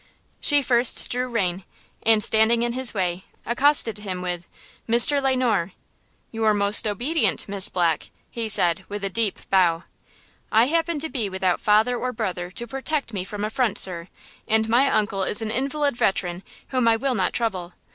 She first drew rein, and, standing in his way, accosted him with: "Mr. Le Noir!" "Your most obedient, Miss Black!" he said, with a deep bow. "I happen to be without father or brother to protect me from affront, sir, and my uncle is an invalid veteran whom I will not trouble!